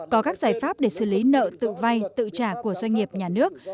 có các giải pháp để xử lý nợ tự vay tự trả của doanh nghiệp nhà nước